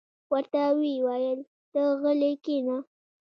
ورته ویې ویل: ته غلې کېنه.